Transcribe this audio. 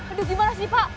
aduh gimana sih pak